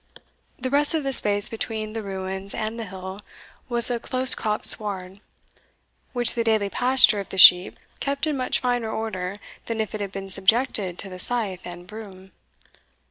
The rest of the space between the ruins and the hill was a close cropt sward, which the daily pasture of the sheep kept in much finer order than if it had been subjected to the scythe and broom.